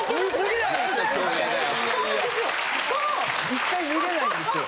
１回脱げないんですよ。